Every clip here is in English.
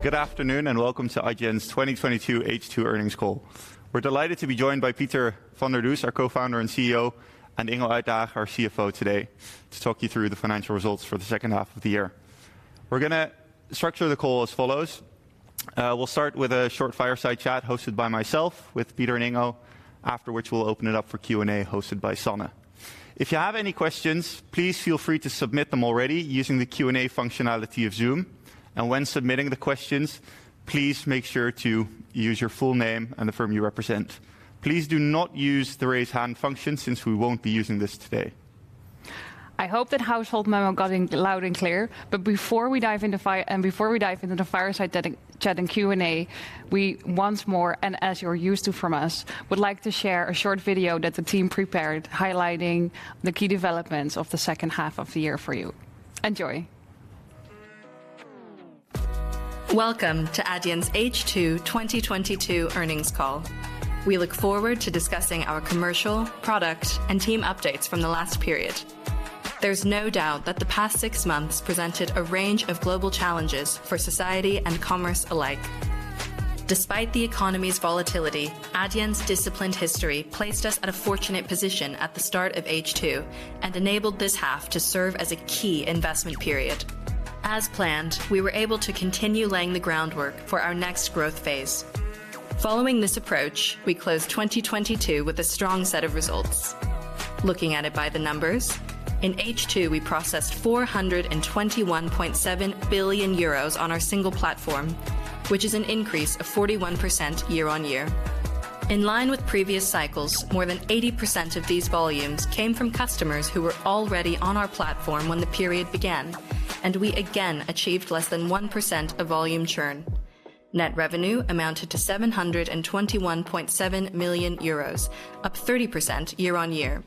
Good afternoon, welcome to Adyen's 2022 H2 earnings call. We're delighted to be joined by Pieter van der Does, our co-founder and CEO, and Ingo Uytdehaage, our CFO today to talk you through the financial results for the second half of the year. We're gonna structure the call as follows. We'll start with a short fireside chat hosted by myself with Pieter and Ingo, after which we'll open it up for Q&A hosted by Sanne. If you have any questions, please feel free to submit them already using the Q&A functionality of Zoom, and when submitting the questions, please make sure to use your full name and the firm you represent. Please do not use the Raise Hand function since we won't be using this today. I hope that household memo got in loud and clear, but before we dive into the fireside chat and Q&A, we once more, and as you're used to from us, would like to share a short video that the team prepared highlighting the key developments of the second half of the year for you. Enjoy. Welcome to Adyen's H2 2022 earnings call. We look forward to discussing our commercial, product, and team updates from the last period. There's no doubt that the past six months presented a range of global challenges for society and commerce alike. Despite the economy's volatility, Adyen's disciplined history placed us at a fortunate position at the start of H2 and enabled this half to serve as a key investment period. As planned, we were able to continue laying the groundwork for our next growth phase. Following this approach, we closed 2022 with a strong set of results. Looking at it by the numbers, in H2 we processed 421.7 billion euros on our single platform, which is an increase of 41% year-on-year. In line with previous cycles, more than 80% of these volumes came from customers who were already on our platform when the period began, and we again achieved less than 1% of volume churn. Net revenue amounted to 721.7 million euros, up 30% year-on-year.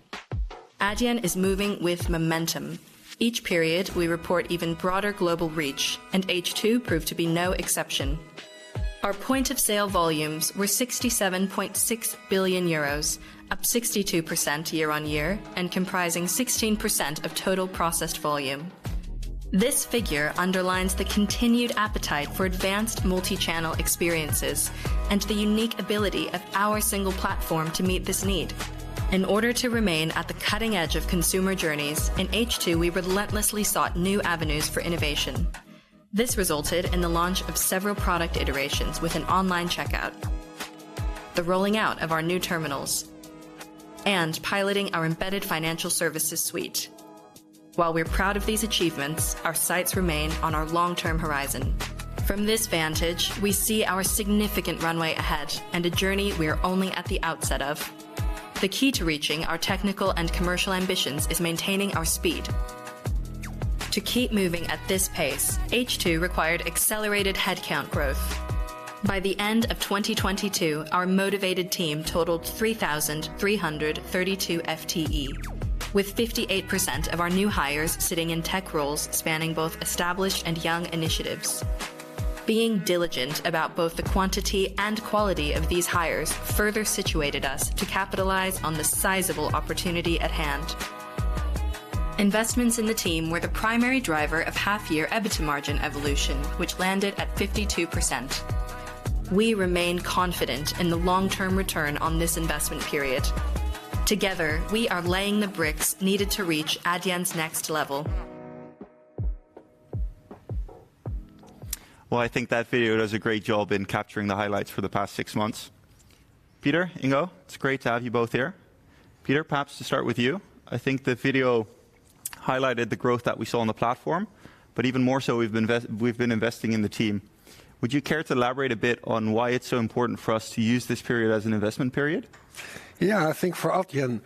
Adyen is moving with momentum. Each period we report even broader global reach, and H2 proved to be no exception. Our point of sale volumes were 67.6 billion euros, up 62% year-on-year, and comprising 16% of total processed volume. This figure underlines the continued appetite for advanced multi-channel experiences and the unique ability of our single platform to meet this need. In order to remain at the cutting edge of consumer journeys, in H2 we relentlessly sought new avenues for innovation. This resulted in the launch of several product iterations with an online checkout, the rolling out of our new terminals, and piloting our embedded financial services suite. While we're proud of these achievements, our sights remain on our long-term horizon. From this vantage, we see our significant runway ahead and a journey we are only at the outset of. The key to reaching our technical and commercial ambitions is maintaining our speed. To keep moving at this pace, H2 required accelerated headcount growth. By the end of 2022, our motivated team totaled 3,332 FTE, with 58% of our new hires sitting in tech roles spanning both established and young initiatives. Being diligent about both the quantity and quality of these hires further situated us to capitalize on the sizable opportunity at hand. Investments in the team were the primary driver of half year EBITDA margin evolution, which landed at 52%. We remain confident in the long-term return on this investment period. Together, we are laying the bricks needed to reach Adyen's next level. Well, I think that video does a great job in capturing the highlights for the past six months. Pieter, Ingo, it's great to have you both here. Pieter, perhaps to start with you. I think the video highlighted the growth that we saw on the platform, but even more so, we've been investing in the team. Would you care to elaborate a bit on why it's so important for us to use this period as an investment period? Yeah. I think for Adyen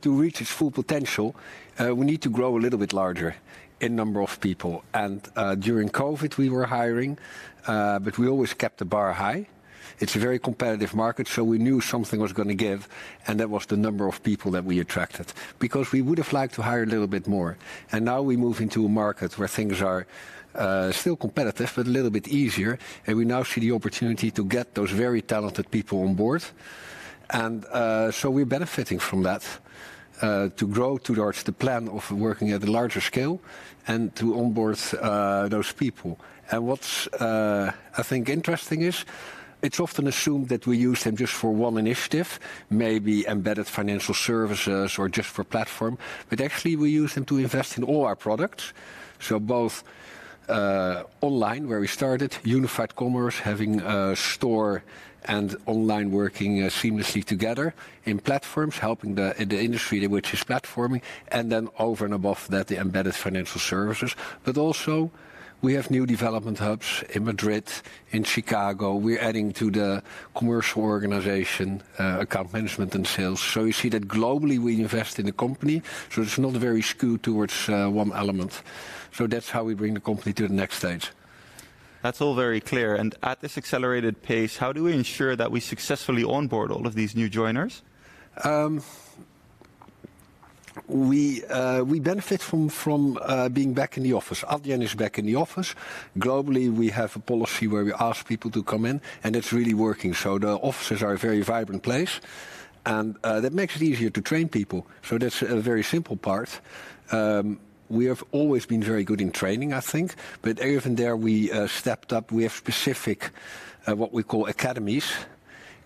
to reach its full potential, we need to grow a little bit larger in number of people. During COVID, we were hiring, but we always kept the bar high. It's a very competitive market, so we knew something was gonna give, and that was the number of people that we attracted, because we would have liked to hire a little bit more. Now we move into a market where things are still competitive, but a little bit easier, and we now see the opportunity to get those very talented people on board. We're benefiting from that to grow towards the plan of working at a larger scale and to onboard those people. What's, I think interesting is it's often assumed that we use them just for one initiative, maybe embedded financial services or just for platform, but actually, we use them to invest in all our products. Both, online, where we started, Unified Commerce, having a store and online working seamlessly together in platforms, helping the industry which is platforming, and then over and above that, the embedded financial services. Also we have new development hubs in Madrid, in Chicago. We're adding to the commercial organization, account management, and sales. You see that globally, we invest in the company, so it's not very skewed towards one element. That's how we bring the company to the next stage. That's all very clear. At this accelerated pace, how do we ensure that we successfully onboard all of these new joiners? We benefit from being back in the office. Adyen is back in the office. Globally, we have a policy where we ask people to come in, and it's really working. The offices are a very vibrant place, and that makes it easier to train people. That's a very simple part. We have always been very good in training, I think. Even there we stepped up. We have specific what we call academies,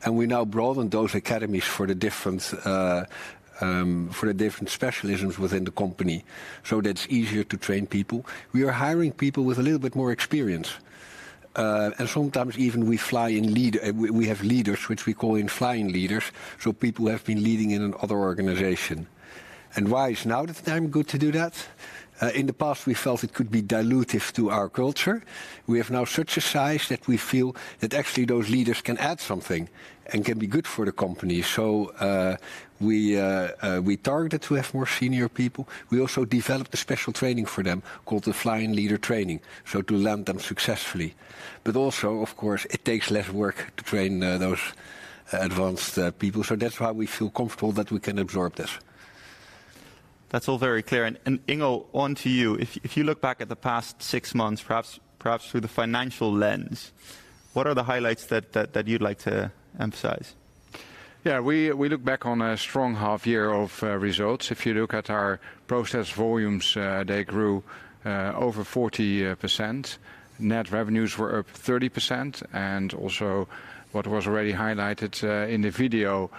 and we now broaden those academies for the different for the different specialisms within the company, so that it's easier to train people. We are hiring people with a little bit more experience. And sometimes even we have leaders which we call in flying leaders, so people who have been leading in an other organization. Why is now the time good to do that? In the past, we felt it could be dilutive to our culture. We have now such a size that we feel that actually those leaders can add something and can be good for the company. We targeted to have more senior people. We also developed a special training for them called the Flying Leader Training, so to land them successfully. Also, of course, it takes less work to train those advanced people. That's why we feel comfortable that we can absorb this. That's all very clear. Ingo, on to you. If you look back at the past six months, perhaps through the financial lens, what are the highlights that you'd like to emphasize? Yeah, we look back on a strong half year of results. If you look at our process volumes, they grew over 40%. Net revenues were up 30%. Also, what was already highlighted in the video,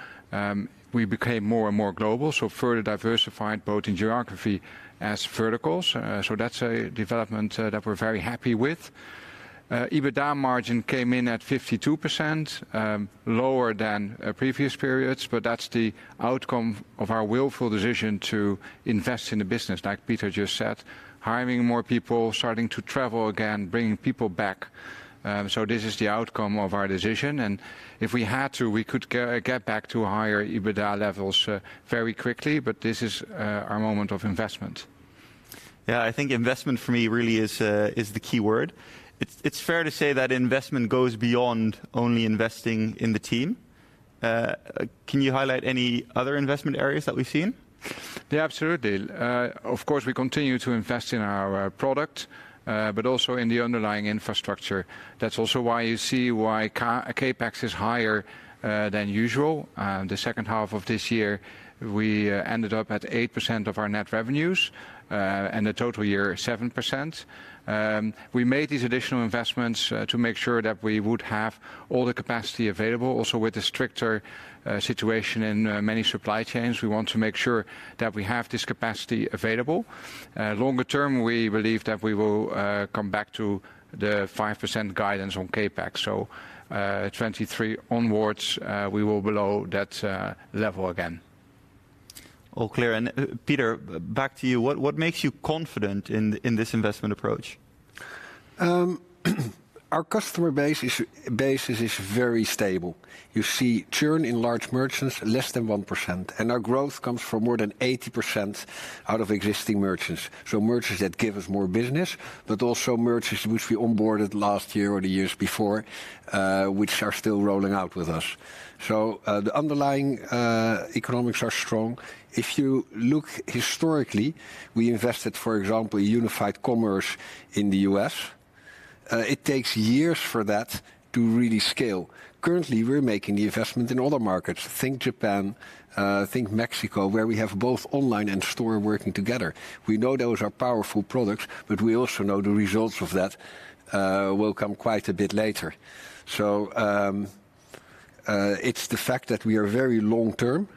we became more and more global, so further diversified both in geography as verticals. That's a development that we're very happy with. EBITDA margin came in at 52%, lower than previous periods. But that's the outcome of our willful decision to invest in the business, like Pieter just said, hiring more people, starting to travel again, bringing people back. This is the outcome of our decision. If we had to, we could get back to higher EBITDA levels very quickly. But this is our moment of investment. Yeah, I think investment for me really is the key word. It's, it's fair to say that investment goes beyond only investing in the team. Can you highlight any other investment areas that we've seen? Yeah, absolutely. Of course, we continue to invest in our product, but also in the underlying infrastructure. That's also why you see why CapEx is higher than usual. The second half of this year, we ended up at 8% of our net revenues, and the total year 7%. We made these additional investments to make sure that we would have all the capacity available. Also, with the stricter situation in many supply chains, we want to make sure that we have this capacity available. Longer term, we believe that we will come back to the 5% guidance on CapEx. 2023 onwards, we will below that level again. All clear. Pieter, back to you. What makes you confident in this investment approach? Our customer base is very stable. You see churn in large merchants less than 1%. Our growth comes from more than 80% out of existing merchants, so merchants that give us more business, but also merchants which we onboarded last year or the years before, which are still rolling out with us. The underlying economics are strong. If you look historically, we invested, for example, Unified Commerce in the U.S. It takes years for that to really scale. Currently, we're making the investment in other markets. Think Japan, think Mexico, where we have both online and store working together. We know those are powerful products, but we also know the results of that will come quite a bit later. It's the fact that we are very long term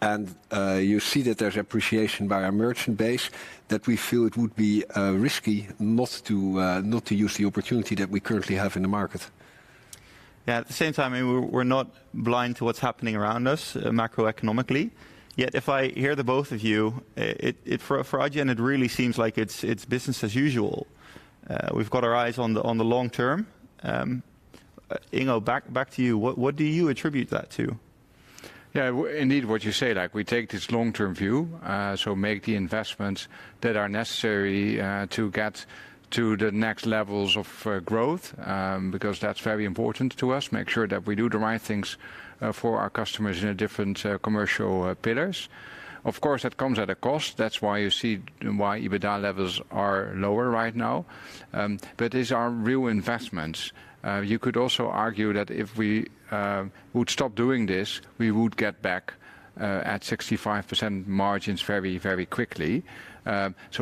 and you see that there's appreciation by our merchant base that we feel it would be risky not to use the opportunity that we currently have in the market. Yeah. At the same time, I mean, we're not blind to what's happening around us macroeconomically. Yet, if I hear the both of you, for Adyen, it really seems like it's business as usual. We've got our eyes on the long term. Ingo, back to you. What do you attribute that to? Indeed, what you say, we take this long-term view, make the investments that are necessary to get to the next levels of growth. That's very important to us, make sure that we do the right things for our customers in the different commercial pillars. Of course, that comes at a cost. That's why you see why EBITDA levels are lower right now. These are real investments. You could also argue that if we would stop doing this, we would get back at 65% margins very quickly.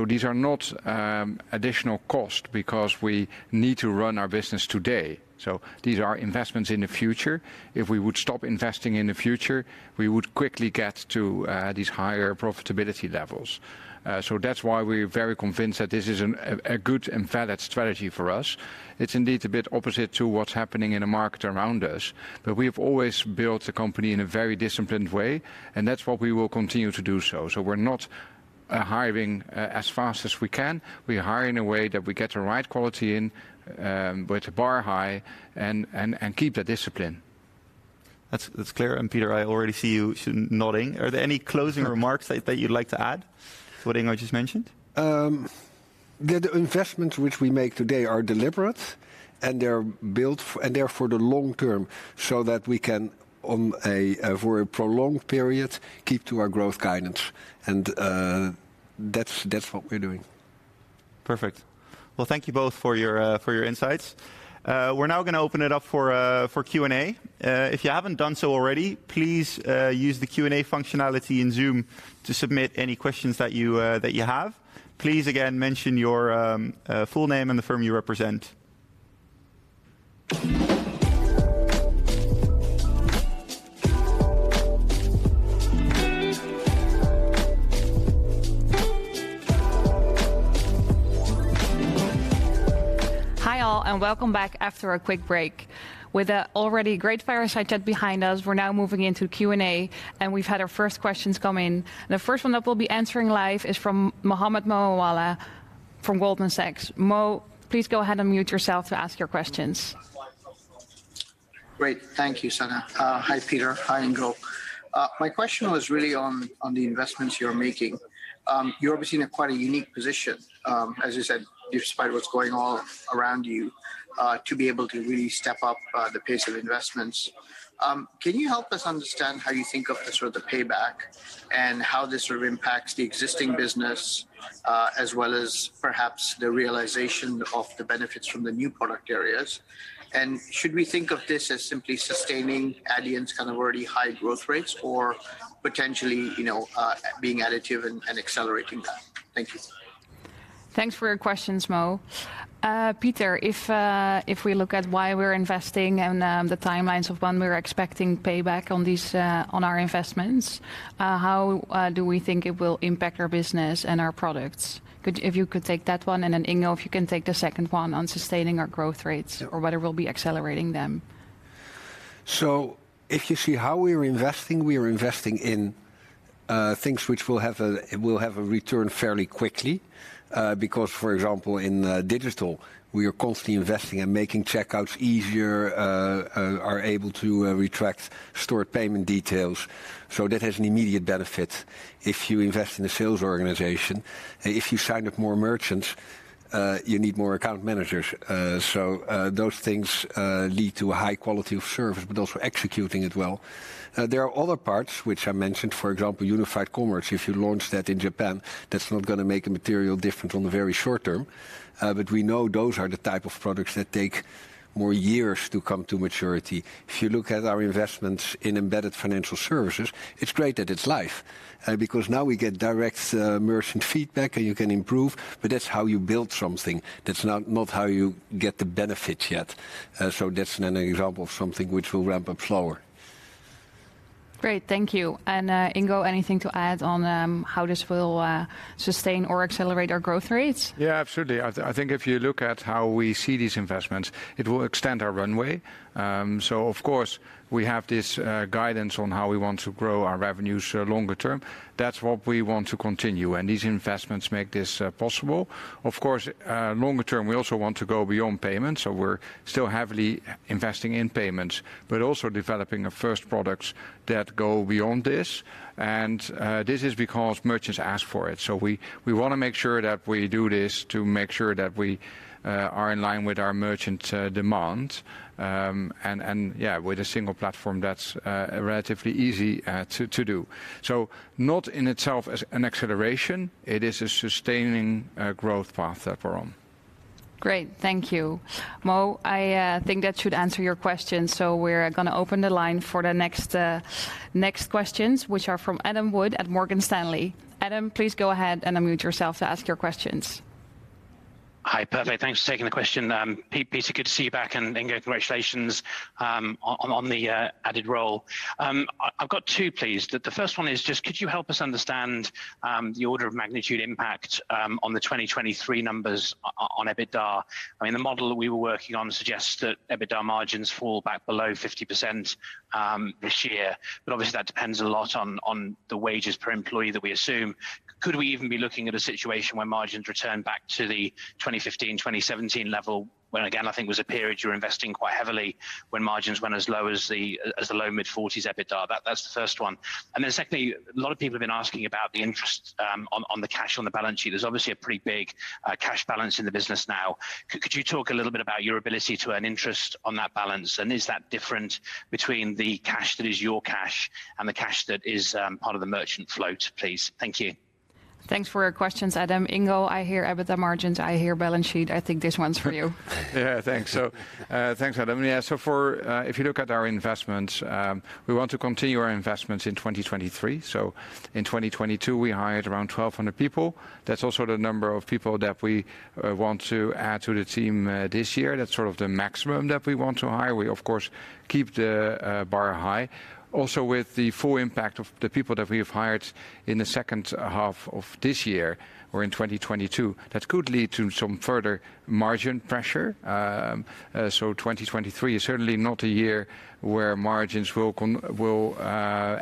These are not additional cost because we need to run our business today. These are investments in the future. If we would stop investing in the future, we would quickly get to these higher profitability levels. That's why we're very convinced that this is a good and valid strategy for us. It's indeed a bit opposite to what's happening in the market around us. We've always built the company in a very disciplined way, and that's what we will continue to do so. We're not hiring as fast as we can. We hire in a way that we get the right quality in, with the bar high and keep the discipline. That's clear. Pieter, I already see you nodding. Are there any closing remarks that you'd like to add to what Ingo just mentioned? The investments which we make today are deliberate, and they're built and they're for the long term so that we can on a for a prolonged period keep to our growth guidance. That's what we're doing. Perfect. Well, thank you both for your for your insights. We're now gonna open it up for for Q&A. If you haven't done so already, please use the Q&A functionality in Zoom to submit any questions that you that you have. Please, again, mention your full name and the firm you represent. Hi, all, and welcome back after a quick break. With the already great fireside chat behind us, we're now moving into Q&A, and we've had our first questions come in. The first one that we'll be answering live is from Mohammed Moawalla from Goldman Sachs. Mo, please go ahead unmute yourself to ask your questions. Great. Thank you, Sanne. Hi, Pieter. Hi, Ingo. My question was really on the investments you're making. You're obviously in a quite a unique position, as you said, despite what's going on around you, to be able to really step up the pace of investments. Can you help us understand how you think of the sort of payback and how this sort of impacts the existing business, as well as perhaps the realization of the benefits from the new product areas? Should we think of this as simply sustaining Adyen's kind of already high growth rates or potentially, you know, being additive and accelerating that? Thank you. Thanks for your questions, Mo. Pieter, if we look at why we're investing and the timelines of when we're expecting payback on these on our investments, how do we think it will impact our business and our products? If you could take that one, and then, Ingo, if you can take the second one on sustaining our growth rates or whether we'll be accelerating them. If you see how we're investing, we are investing in things which will have a return fairly quickly. For example, in digital, we are constantly investing and making checkouts easier, are able to retract stored payment details, so that has an immediate benefit. If you invest in a sales organization, if you sign up more merchants, you need more account managers. Those things lead to a high quality of service but also executing it well. There are other parts which I mentioned, for example, Unified Commerce. If you launch that in Japan, that's not gonna make a material different on the very short term. We know those are the type of products that take more years to come to maturity. If you look at our investments in embedded financial services, it's great that it's live, because now we get direct merchant feedback and you can improve, but that's how you build something. That's not how you get the benefits yet. That's an example of something which will ramp up slower. Great. Thank you. Ingo, anything to add on how this will sustain or accelerate our growth rates? Yeah, absolutely. I think if you look at how we see these investments, it will extend our runway. Of course, we have this guidance on how we want to grow our revenues longer term. That's what we want to continue, and these investments make this possible. Of course, longer term, we also want to go beyond payments, so we're still heavily investing in payments but also developing the first products that go beyond this. This is because merchants ask for it. We wanna make sure that we do this to make sure that we are in line with our merchant demand. And, yeah, with a single platform, that's relatively easy to do. Not in itself as an acceleration. It is a sustaining growth path that we're on. Great. Thank you. Mo, I think that should answer your question. We're gonna open the line for the next questions, which are from Adam Wood at Morgan Stanley. Adam, please go ahead and unmute yourself to ask your questions. Hi. Perfect. Thanks for taking the question. Pieter, good to see you back, and Ingo, congratulations, on the added role. I've got two, please. The first one is just could you help us understand the order of magnitude impact on the 2023 numbers on EBITDA? I mean, the model that we were working on suggests that EBITDA margins fall back below 50%, this year. Obviously, that depends a lot on the wages per employee that we assume. Could we even be looking at a situation where margins return back to the 2015, 2017 level, when, again, I think was a period you were investing quite heavily when margins went as low as the low mid-40s EBITDA? That's the first one. Secondly, a lot of people have been asking about the interest on the cash on the balance sheet. There's obviously a pretty big cash balance in the business now. Could you talk a little bit about your ability to earn interest on that balance? Is that different between the cash that is your cash and the cash that is part of the merchant float, please? Thank you. Thanks for your questions, Adam. Ingo, I hear EBITDA margins, I hear balance sheet. I think this one's for you. Thanks. Thanks, Adam. If you look at our investments, we want to continue our investments in 2023. In 2022, we hired around 1,200 people. That's also the number of people that we want to add to the team this year. That's sort of the maximum that we want to hire. We, of course, keep the bar high. Also, with the full impact of the people that we have hired in the second half of this year or in 2022, that could lead to some further margin pressure. 2023 is certainly not a year where margins will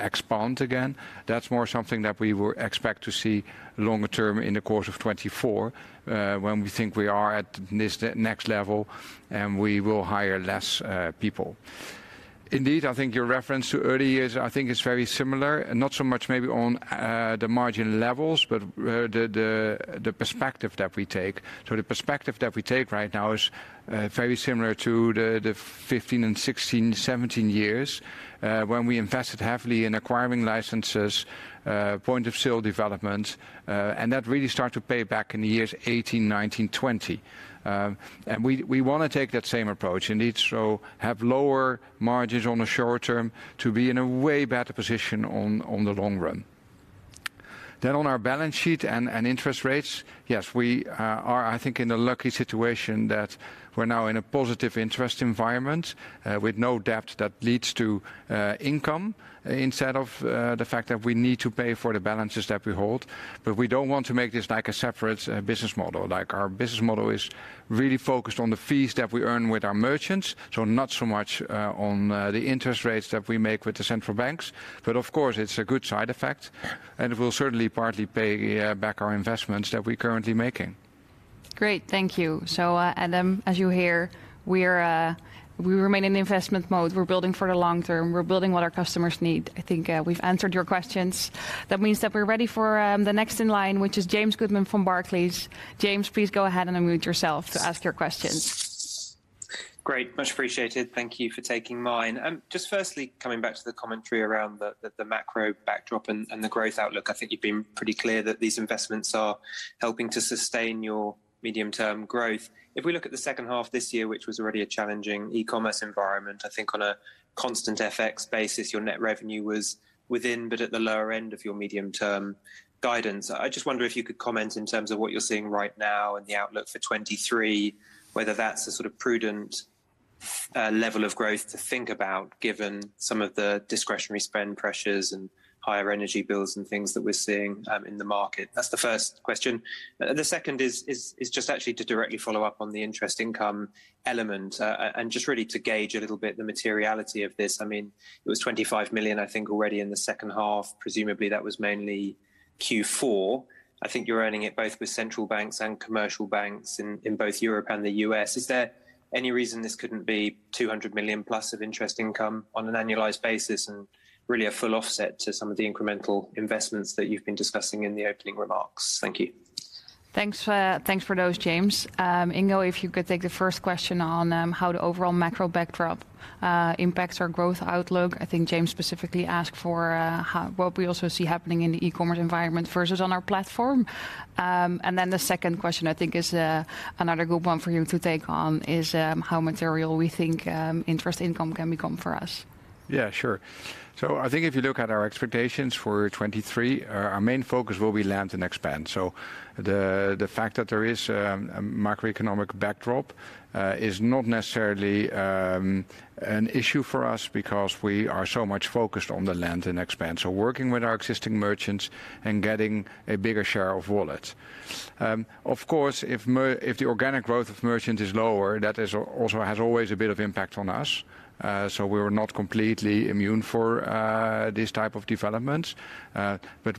expand again. That's more something that we will expect to see longer term in the course of 2024, when we think we are at this next level, and we will hire less people. Indeed, I think your reference to early years, I think is very similar. Not so much maybe on the margin levels, but the perspective that we take. The perspective that we take right now is very similar to the 15 and 16, 17 years, when we invested heavily in acquiring licenses, point of sale developments, and that really started to pay back in the years 18, 19, 20. We wanna take that same approach. Indeed, have lower margins on the short term to be in a way better position on the long run. On our balance sheet and interest rates, yes, we are, I think in a lucky situation that we're now in a positive interest environment, with no debt that leads to income instead of the fact that we need to pay for the balances that we hold. We don't want to make this like a separate business model. Like, our business model is really focused on the fees that we earn with our merchants, so not so much on the interest rates that we make with the central banks. Of course, it's a good side effect, and it will certainly partly pay back our investments that we're currently making. Great. Thank you. Adam, as you hear, we remain in investment mode. We're building for the long term. We're building what our customers need. I think we've answered your questions. That means that we're ready for the next in line, which is James Goodman from Barclays. James, please go ahead and unmute yourself to ask your questions. Great. Much appreciated. Thank you for taking mine. Just firstly, coming back to the commentary around the, the macro backdrop and the growth outlook, I think you've been pretty clear that these investments are helping to sustain your medium-term growth. If we look at the second half this year, which was already a challenging e-commerce environment, I think on a constant FX basis, your net revenue was within, but at the lower end of your medium-term guidance. I just wonder if you could comment in terms of what you're seeing right now and the outlook for 2023, whether that's a sort of prudent level of growth to think about given some of the discretionary spend pressures and higher energy bills and things that we're seeing in the market. That's the first question. The second is just actually to directly follow up on the interest income element. Just really to gauge a little bit the materiality of this. I mean, it was 25 million, I think, already in the second half. Presumably, that was mainly Q4. I think you're earning it both with central banks and commercial banks in both Europe and the U.S. Is there any reason this couldn't be 200 million-plus of interest income on an annualized basis and really a full offset to some of the incremental investments that you've been discussing in the opening remarks? Thank you. Thanks, thanks for those, James. Ingo, if you could take the first question on how the overall macro backdrop impacts our growth outlook. I think James specifically asked for what we also see happening in the e-commerce environment versus on our platform. The second question I think is another good one for you to take on, is how material we think interest income can become for us. Sure. I think if you look at our expectations for 2023, our main focus will be land and expand. The fact that there is a macroeconomic backdrop is not necessarily an issue for us because we are so much focused on the land and expand. Working with our existing merchants and getting a bigger share of wallet. Of course, if the organic growth of merchant is lower, that also has always a bit of impact on us. We're not completely immune for these type of developments.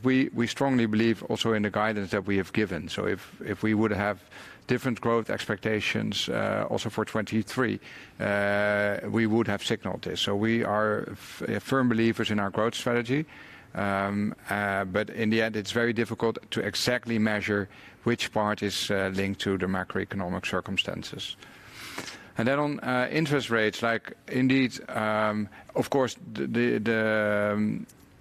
We strongly believe also in the guidance that we have given. If we would have different growth expectations also for 2023, we would have signaled this. We are firm believers in our growth strategy. But in the end, it's very difficult to exactly measure which part is linked to the macroeconomic circumstances. Then on interest rates, like indeed, of course, the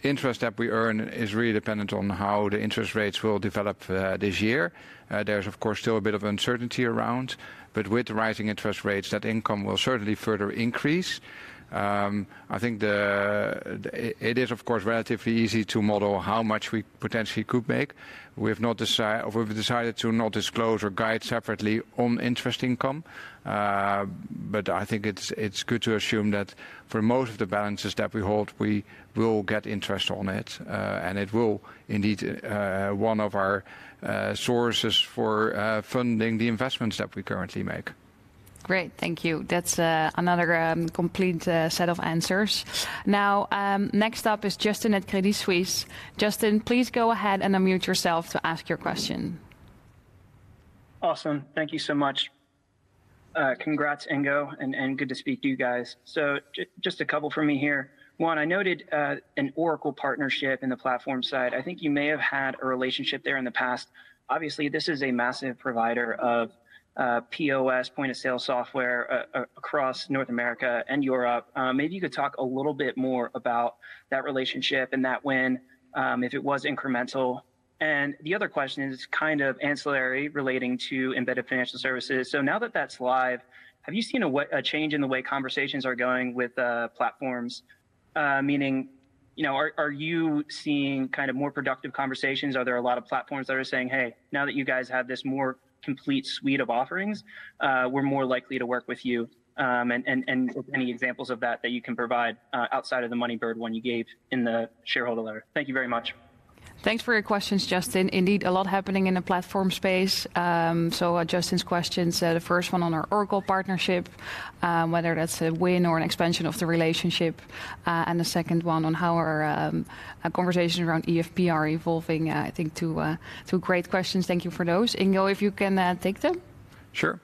interest that we earn is really dependent on how the interest rates will develop this year. There's of course still a bit of uncertainty around, but with rising interest rates, that income will certainly further increase. I think it is of course relatively easy to model how much we potentially could make. We've decided to not disclose or guide separately on interest income. But I think it's good to assume that for most of the balances that we hold, we will get interest on it. And it will indeed, one of our sources for funding the investments that we currently make. Great. Thank you. That's another complete set of answers. Next up is Justin at Credit Suisse. Justin, please go ahead and unmute yourself to ask your question. Awesome. Thank you so much. Congrats, Ingo, and good to speak to you guys. Just a couple from me here. One, I noted an Oracle partnership in the platform side. I think you may have had a relationship there in the past. Obviously, this is a massive provider of POS, point of sale software, across North America and Europe. Maybe you could talk a little bit more about that relationship and that win, if it was incremental. The other question is kind of ancillary relating to embedded financial services. Now that that's live, have you seen a change in the way conversations are going with platforms? Meaning, you know, are you seeing kind of more productive conversations? Are there a lot of platforms that are saying, "Hey, now that you guys have this more complete suite of offerings, we're more likely to work with you." Any examples of that that you can provide, outside of the Moneybird one you gave in the shareholder letter. Thank you very much. Thanks for your questions, Justin. Indeed, a lot happening in the platform space. Justin's question, the first one on our Oracle partnership, whether that's a win or an expansion of the relationship. The second one on how our conversations around EFP are evolving. I think two great questions. Thank you for those. Ingo, if you can take them. Sure.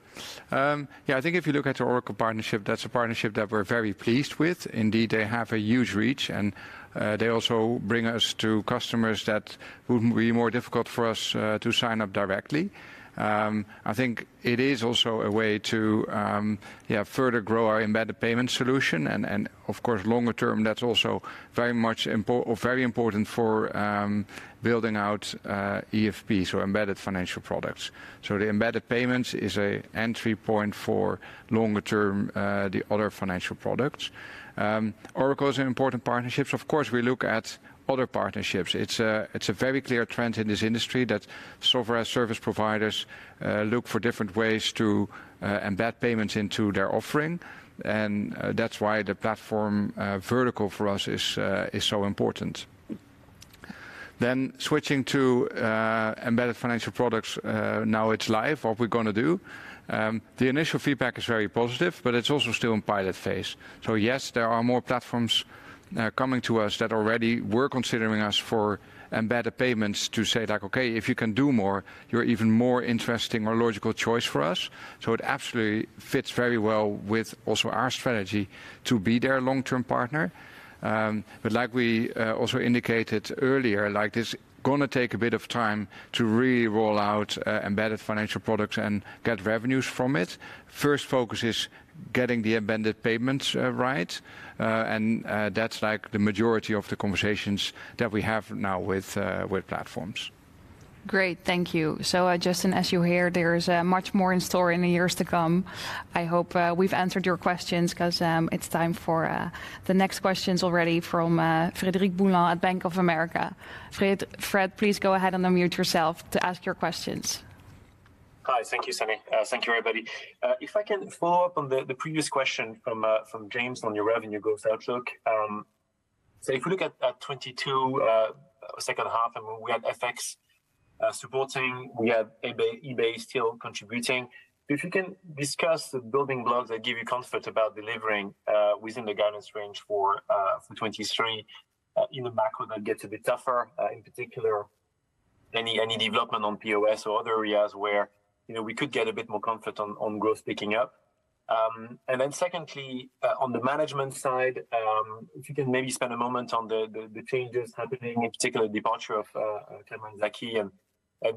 I think if you look at our Oracle partnership, that's a partnership that we're very pleased with. Indeed, they have a huge reach, and they also bring us to customers that would be more difficult for us to sign up directly. I think it is also a way to further grow our embedded payment solution and of course, longer term, that's also very much important for building out EFPs or embedded financial products. The embedded payments is a entry point for longer-term the other financial products. Oracle is an important partnership. Of course, we look at other partnerships. It's a very clear trend in this industry that software service providers look for different ways to embed payments into their offering, that's why the platform vertical for us is so important. Switching to embedded financial products, now it's live, what we're gonna do. The initial feedback is very positive, but it's also still in pilot phase. Yes, there are more platforms coming to us that already were considering us for embedded payments to say like, "Okay, if you can do more, you're even more interesting or logical choice for us." It absolutely fits very well with also our strategy to be their long-term partner. But like we also indicated earlier, like, this gonna take a bit of time to really roll out embedded financial products and get revenues from it. First focus is getting the embedded payments, right. That's like the majority of the conversations that we have now with platforms. Great. Thank you. Justin, as you hear, there is much more in store in the years to come. I hope we've answered your questions cause it's time for the next questions already from Frederic Boulan at Bank of America. Fred, please go ahead and unmute yourself to ask your questions. Hi. Thank you, Sanne. Thank you, everybody. If I can follow up on the previous question from James on your revenue growth outlook. If you look at 2022, second half, and we had FX supporting, we had eBay still contributing. If you can discuss the building blocks that give you comfort about delivering within the guidance range for 2023, in the macro that gets a bit tougher, in particular any development on POS or other areas where, you know, we could get a bit more comfort on growth picking up. Secondly, on the management side, if you can maybe spend a moment on the changes happening, in particular the departure of Kamran Zaki and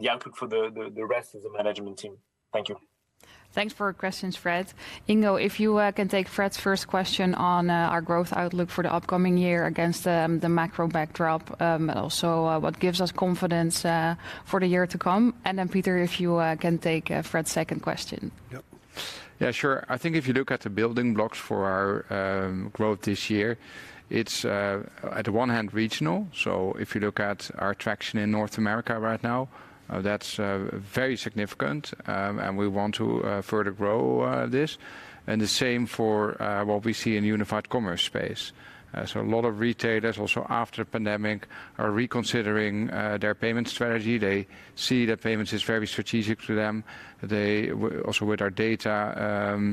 the outlook for the rest of the management team. Thank you. Thanks for your questions, Fred. Ingo, if you can take Fred's first question on our growth outlook for the upcoming year against the macro backdrop, and also what gives us confidence for the year to come. Then Pieter, if you can take Fred's second question. Yeah. Yeah, sure. I think if you look at the building blocks for our growth this year, it's at one hand regional. If you look at our traction in North America right now, that's very significant, and we want to further grow this. The same for what we see in Unified Commerce space. A lot of retailers also after pandemic are reconsidering their payment strategy. They see that payments is very strategic to them. Also with our data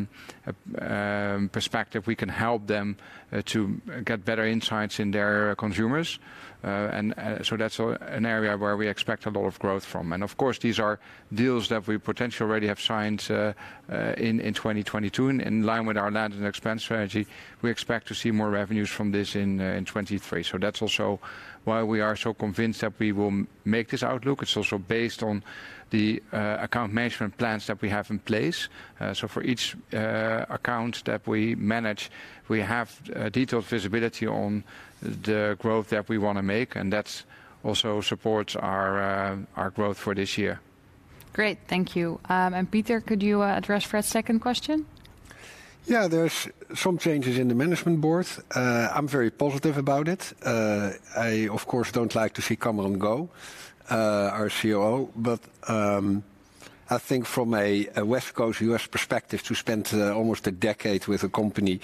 perspective, we can help them to get better insights in their consumers. That's an area where we expect a lot of growth from. Of course, these are deals that we potentially already have signed in 2022. In line with our land and expand strategy, we expect to see more revenues from this in 2023. That's also why we are so convinced that we will make this outlook. It's also based on the account management plans that we have in place. For each account that we manage, we have detailed visibility on the growth that we wanna make, and that also supports our growth for this year. Great. Thank you. Pieter, could you address Fred's second question? There're some changes in the management board. I'm very positive about it. I of course don't like to see Cameron go, our COO. I think from a West Coast U.S. perspective, to spend almost a decade with the company,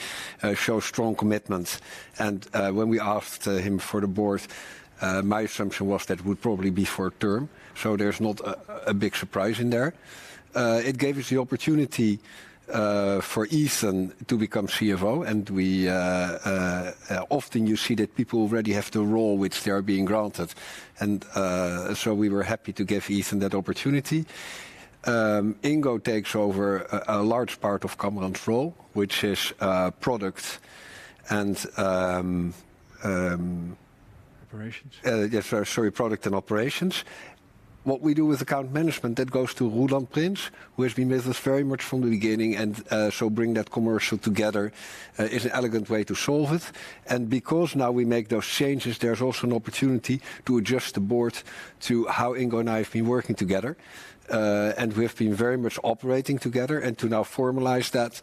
shows strong commitment. When we asked him for the board, my assumption was that it would probably be for a term, so there's not a big surprise in there. It gave us the opportunity for Ethan to become CFO. Often you see that people already have the role which they are being granted and so we were happy to give Ethan that opportunity. Ingo takes over a large part of Cameron's role, which is product and. Operations? Yes, sorry. Product and operations. What we do with account management, that goes to Roelant Prins, who has been with us very much from the beginning, and bring that commercial together is an elegant way to solve it. Because now we make those changes, there's also an opportunity to adjust the board to how Ingo and I have been working together. We have been very much operating together. To now formalize that,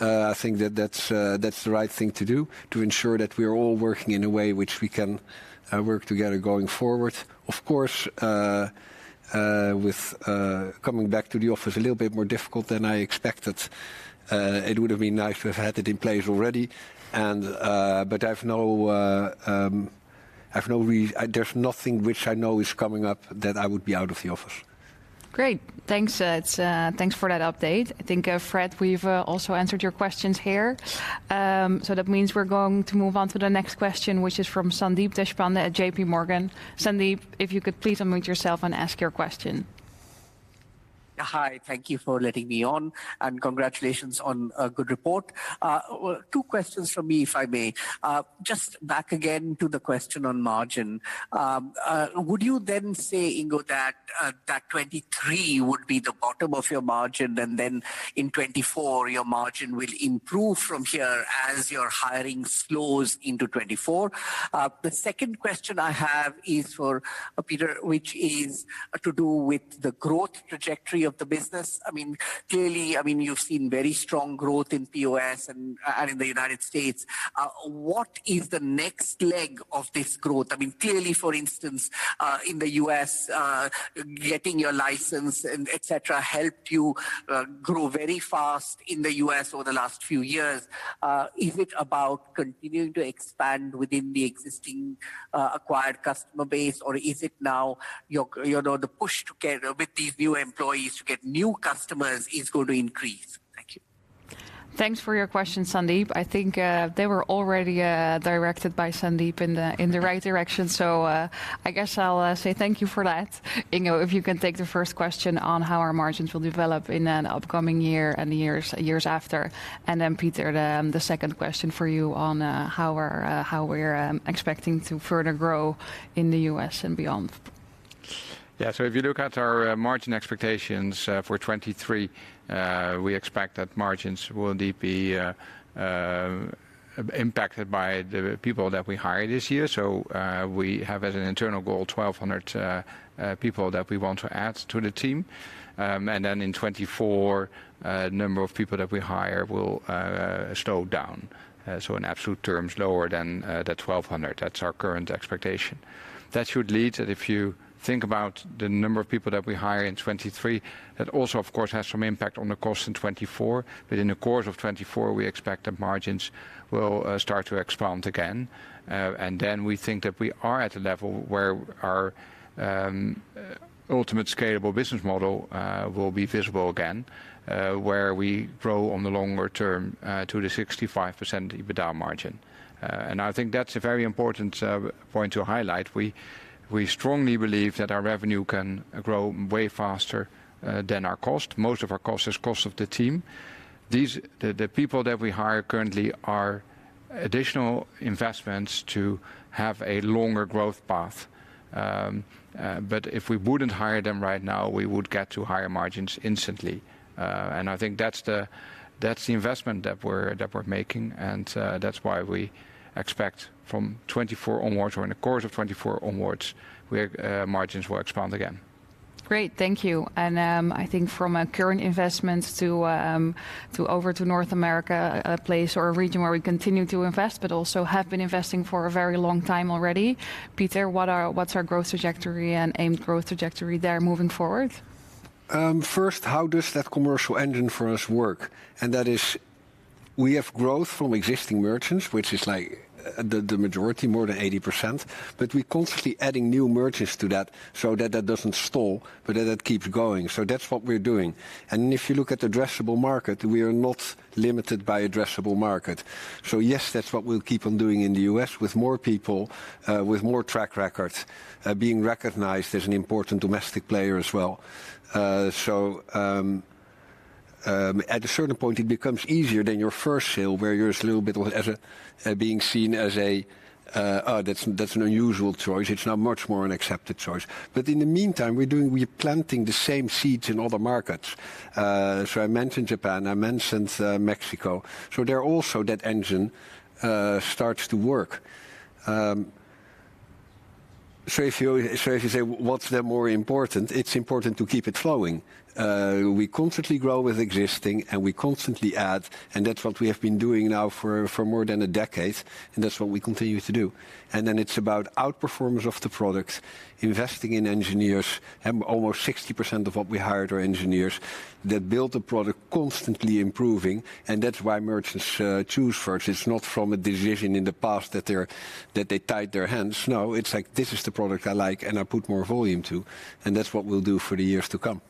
I think that that's the right thing to do to ensure that we're all working in a way which we can work together going forward. Of course, with coming back to the office a little bit more difficult than I expected. It would've been nice to have had it in place already. I've no There's nothing which I know is coming up that I would be out of the office. Great. Thanks, thanks for that update. I think, Fred, we've also answered your questions here. That means we're going to move on to the next question, which is from Sandeep Deshpande at JP Morgan. Sandeep, if you could please unmute yourself and ask your question. Hi. Thank you for letting me on, and congratulations on a good report. Two questions from me, if I may. Just back again to the question on margin. Would you then say, Ingo, that 2023 would be the bottom of your margin, and then in 2024 your margin will improve from here as your hiring slows into 2024? The second question I have is for Pieter, which is to do with the growth trajectory of the business. I mean, clearly, I mean, you've seen very strong growth in POS and in the United States. What is the next leg of this growth? I mean, clearly, for instance, in the U.S., getting your license and et cetera, helped you grow very fast in the U.S. over the last few years. Is it about continuing to expand within the existing, acquired customer base, or is it now your, you know, the push to get with these new employees to get new customers is going to increase? Thank you. Thanks for your question, Sandeep. I think they were already directed by Sandeep in the right direction. I guess I'll say thank you for that. Ingo, if you can take the first question on how our margins will develop in an upcoming year and the years after. Pieter, the second question for you on how we're expecting to further grow in the U.S. and beyond. Yeah. If you look at our margin expectations for 2023, we expect that margins will indeed be impacted by the people that we hire this year. We have as an internal goal 1,200 people that we want to add to the team. In 2024, number of people that we hire will slow down. In absolute terms, lower than the 1,200. That's our current expectation. That should lead, if you think about the number of people that we hire in 2023, that also of course has some impact on the cost in 2024. In the course of 2024, we expect that margins will start to expand again. We think that we are at a level where our ultimate scalable business model will be visible again, where we grow on the longer term to the 65% EBITDA margin. I think that's a very important point to highlight. We strongly believe that our revenue can grow way faster than our cost. Most of our cost is cost of the team. The people that we hire currently are additional investments to have a longer growth path. If we wouldn't hire them right now, we would get to higher margins instantly. I think that's the investment that we're making, that's why we expect from 2024 onwards, or in the course of 2024 onwards, margins will expand again. Great. Thank you. I think from a current investment to over to North America, a place or a region where we continue to invest but also have been investing for a very long time already. Pieter, what's our growth trajectory and aimed growth trajectory there moving forward? First, how does that commercial engine for us work? That is, we have growth from existing merchants, which is like the majority, more than 80%. We're constantly adding new merchants to that so that that doesn't stall, but that keeps going. That's what we're doing. If you look at addressable market, we are not limited by addressable market. Yes, that's what we'll keep on doing in the U.S. with more people, with more track records, being recognized as an important domestic player as well. So, at a certain point it becomes easier than your first sale, where you're a little bit as a, being seen as a, oh, that's an unusual choice. It's now much more an accepted choice. In the meantime, we're doing, we're planting the same seeds in other markets. I mentioned Japan, I mentioned Mexico. There also that engine starts to work. If you say what's the more important, it's important to keep it flowing. We constantly grow with existing, and we constantly add, and that's what we have been doing now for more than a decade, and that's what we continue to do. It's about outperformance of the products, investing in engineers, and almost 60% of what we hired are engineers that build the product constantly improving, and that's why merchants choose first. It's not from a decision in the past that they tied their hands. No, it's like, "This is the product I like and I put more volume to." That's what we'll do for the years to come.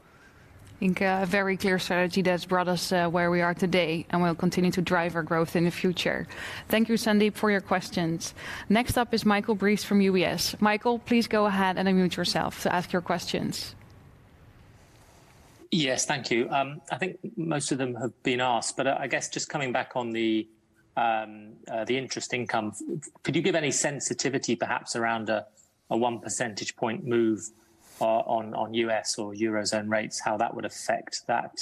Ingo, a very clear strategy that's brought us where we are today and will continue to drive our growth in the future. Thank you, Sandeep, for your questions. Next up is Michael Briest from UBS. Michael, please go ahead and unmute yourself to ask your questions. Yes, thank you. I think most of them have been asked, but I guess just coming back on the interest income, could you give any sensitivity perhaps around a one percentage point move on U.S. or Eurozone rates, how that would affect that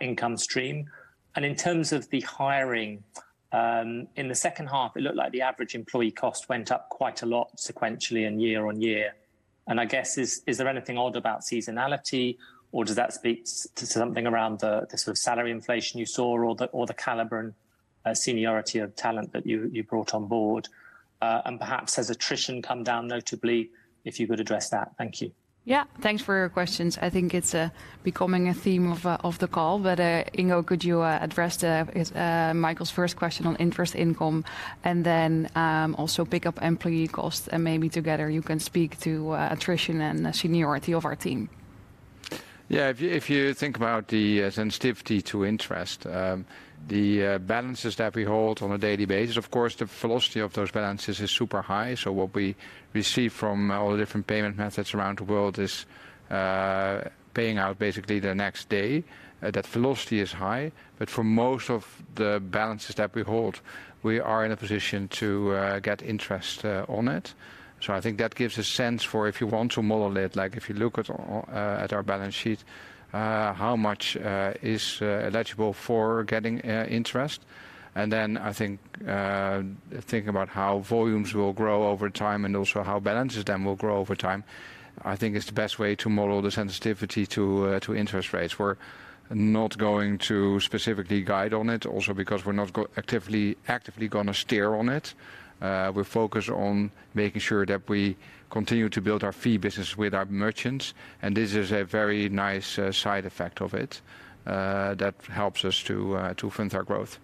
income stream? In terms of the hiring, in the second half, it looked like the average employee cost went up quite a lot sequentially and year-over-year. I guess is there anything odd about seasonality, or does that speak to something around the sort of salary inflation you saw or the caliber and seniority of talent that you brought on board? Perhaps has attrition come down notably, if you could address that? Thank you. Thanks for your questions. I think it's becoming a theme of the call, but Ingo, could you address the Michael's first question on interest income and then also pick up employee costs and maybe together you can speak to attrition and seniority of our team. Yeah, if you, if you think about the, uh, sensitivity to interest, um, the, uh, balances that we hold on a daily basis, of course, the velocity of those balances is super high. So what we receive from all the different payment methods around the world is, uh, paying out basically the next day. Uh, that velocity is high. But for most of the balances that we hold, we are in a position to, uh, get interest, uh, on it. So I think that gives a sense for if you want to model it, like if you look at, uh, at our balance sheet, uh, how much, uh, is, uh, eligible for getting, uh, interest. I think, thinking about how volumes will grow over time and also how balances then will grow over time, I think it's the best way to model the sensitivity to interest rates. We're not going to specifically guide on it also because we're not actively gonna steer on it. We're focused on making sure that we continue to build our fee business with our merchants, and this is a very nice side effect of it, that helps us to fund our growth.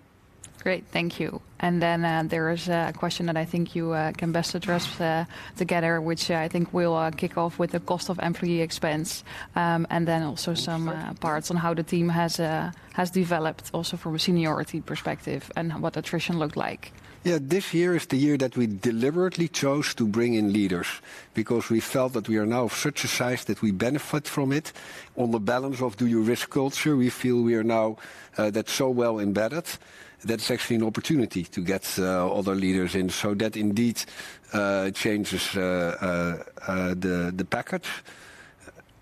Great. Thank you. There is a question that I think you can best address together, which I think we'll kick off with the cost of employee expense, and then also some parts on how the team has developed also from a seniority perspective and what attrition looked like. This year is the year that we deliberately chose to bring in leaders because we felt that we are now of such a size that we benefit from it. On the balance of do you risk culture, we feel we are now, that's so well embedded, that's actually an opportunity to get other leaders in so that indeed, changes the package.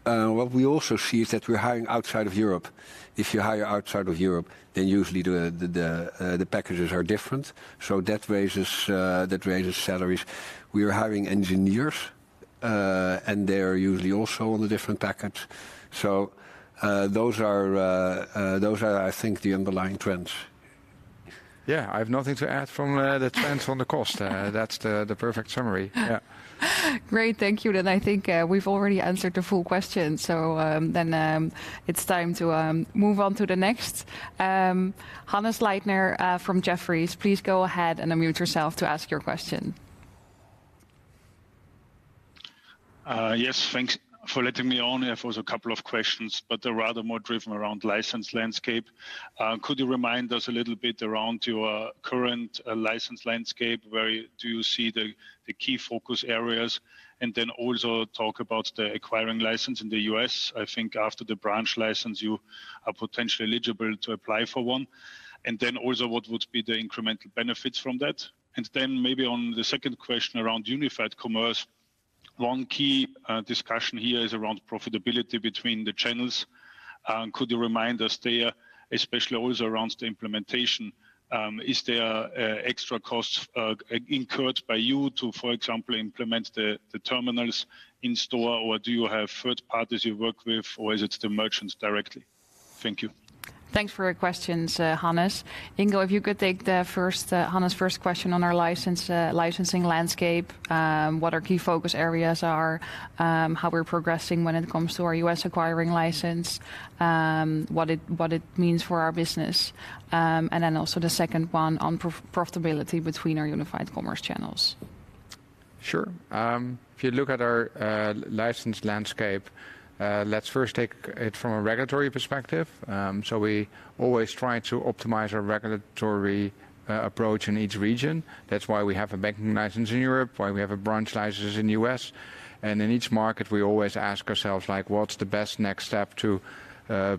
What we also see is that we're hiring outside of Europe. If you hire outside of Europe, then usually the packages are different, so that raises salaries. We are hiring engineers, and they are usually also on the different package. Those are I think the underlying trends. Yeah. I have nothing to add from the trends on the cost. That's the perfect summary. Yeah. Great. Thank you. I think, we've already answered the full question. It's time to move on to the next. Hannes Leitner, from Jefferies, please go ahead and unmute yourself to ask your question. Yes, thanks for letting me on. I have also a couple of questions. They're rather more driven around license landscape. Could you remind us a little bit around your current license landscape? Where do you see the key focus areas? Also talk about the acquiring license in the U.S. I think after the branch license, you are potentially eligible to apply for one. Also, what would be the incremental benefits from that? Maybe on the second question around Unified Commerce, one key discussion here is around profitability between the channels. Could you remind us there, especially always around the implementation, is there extra costs incurred by you to, for example, implement the terminals in store or do you have third parties you work with or is it the merchants directly? Thank you. Thanks for your questions, Hannes. Ingo, if you could take the first, Hannes first question on our license, licensing landscape, what our key focus areas are, how we're progressing when it comes to our U.S. acquiring license, what it means for our business, and then also the second one on profitability between our Unified Commerce channels. Sure. If you look at our license landscape, let's first take it from a regulatory perspective. We always try to optimize our regulatory approach in each region. That's why we have a banking license in Europe, why we have a branch license in the U.S. In each market, we always ask ourselves, like, what's the best next step to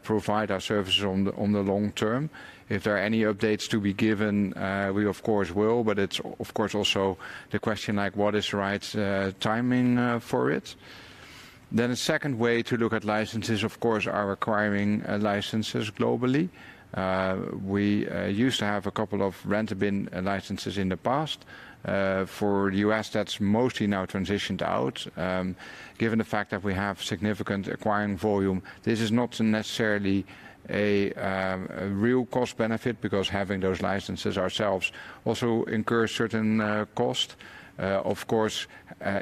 provide our services on the long term? If there are any updates to be given, we of course will, but it's of course also the question like what is right timing for it. A second way to look at licenses, of course, are acquiring licenses globally. We used to have a couple of rent-a-BIN licenses in the past. For U.S., that's mostly now transitioned out. Given the fact that we have significant acquiring volume, this is not necessarily a real cost benefit because having those licenses ourselves also incur certain cost. Of course,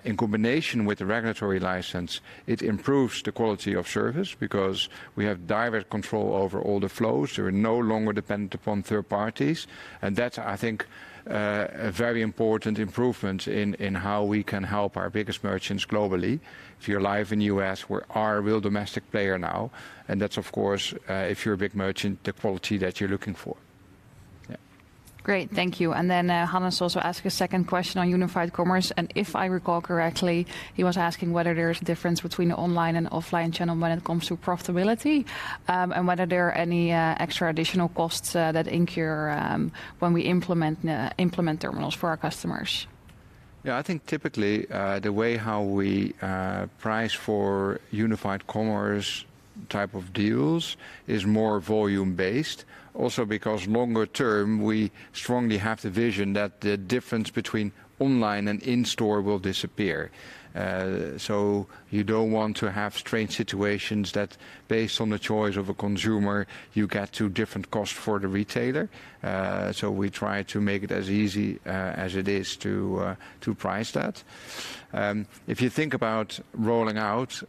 in combination with the regulatory license, it improves the quality of service because we have direct control over all the flows. We're no longer dependent upon third parties. That's, I think, a very important improvement in how we can help our biggest merchants globally. If you're live in the U.S., we are a real domestic player now, and that's of course, if you're a big merchant, the quality that you're looking for. Great. Thank you. Hannes also asked a second question on Unified Commerce. If I recall correctly, he was asking whether there's a difference between online and offline channel when it comes to profitability, and whether there are any extra additional costs that incur when we implement terminals for our customers. Yeah. I think typically, the way how we price for Unified Commerce type of deals is more volume-based. Because longer term, we strongly have the vision that the difference between online and in-store will disappear. You don't want to have strange situations that based on the choice of a consumer, you get two different costs for the retailer. We try to make it as easy as it is to price that. If you think about rolling out,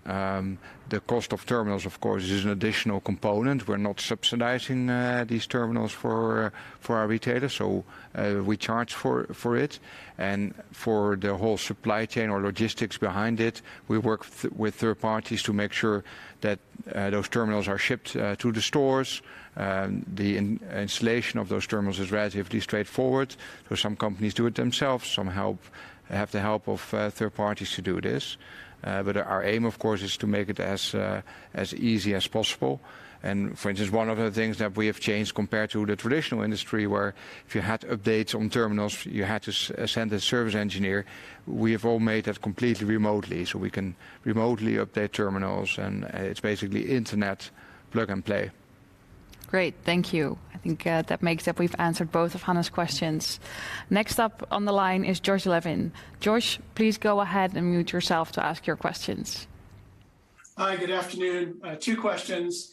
the cost of terminals, of course, is an additional component. We're not subsidizing these terminals for our retailers, we charge for it. For the whole supply chain or logistics behind it, we work with third parties to make sure that those terminals are shipped to the stores. The in-installation of those terminals is relatively straightforward. Some companies do it themselves, some have the help of third parties to do this. But our aim, of course, is to make it as easy as possible. For instance, one of the things that we have changed compared to the traditional industry where if you had updates on terminals, you had to send a service engineer, we have all made that completely remotely. We can remotely update terminals, and it's basically internet plug and play. Great. Thank you. I think that makes it we've answered both of Hanne's questions. Next up on the line is Josh Levin. Josh, please go ahead and mute yourself to ask your questions. Hi, good afternoon. two questions.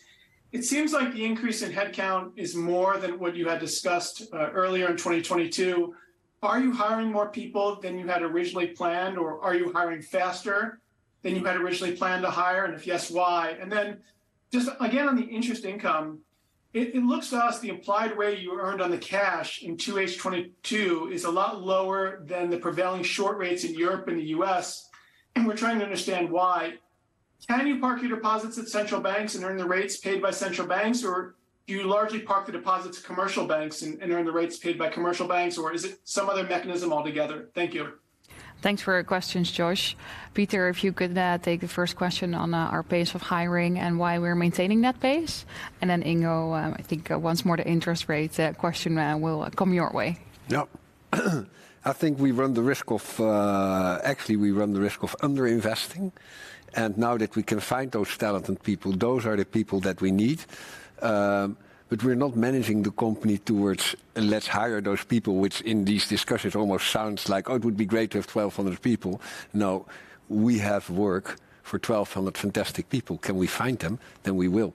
It seems like the increase in head count is more than what you had discussed earlier in 2022. Are you hiring more people than you had originally planned, or are you hiring faster than you had originally planned to hire, and if yes, why? Just, again, on the interest income, it looks to us the implied rate you earned on the cash in H2 2022 is a lot lower than the prevailing short rates in Europe and the U.S., and we're trying to understand why. Can you park your deposits at central banks and earn the rates paid by central banks, or do you largely park the deposits at commercial banks and earn the rates paid by commercial banks, or is it some other mechanism altogether? Thank you. Thanks for your questions, Josh. Pieter, if you could, take the first question on, our pace of hiring and why we're maintaining that pace. Ingo, I think, once more the interest rate question will come your way. Yeah. I think we run the risk of... Actually, we run the risk of underinvesting. Now that we can find those talented people, those are the people that we need. We're not managing the company towards let's hire those people, which in these discussions almost sounds like, "Oh, it would be great to have 1,200 people." No. We have work for 1,200 fantastic people. Can we find them? Then we will.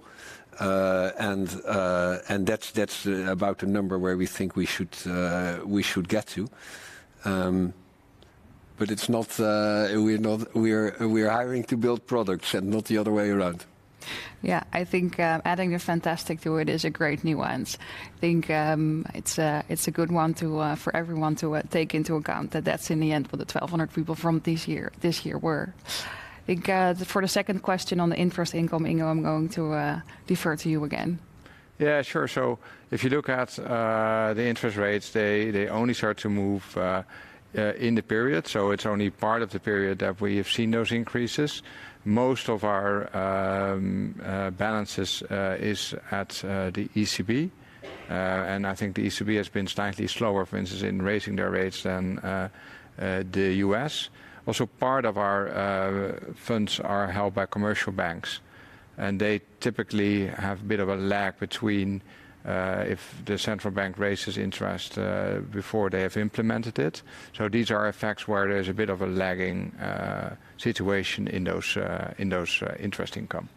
That's, that's, about the number where we think we should get to. It's not, we're hiring to build products and not the other way around. I think adding a fantastic to it is a great nuance. I think it's a good one for everyone to take into account that that's in the end for the 1,200 people from this year were. I think for the second question on the interest income, Ingo, I'm going to defer to you again. Yeah, sure. If you look at the interest rates, they only start to move in the period, so it's only part of the period that we have seen those increases. Most of our balances is at the ECB. I think the ECB has been slightly slower, for instance, in raising their rates than the U.S. Part of our funds are held by commercial banks, and they typically have a bit of a lag between if the central bank raises interest before they have implemented it. These are effects where there's a bit of a lagging situation in those in those interest income.